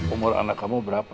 umur anak kamu berapa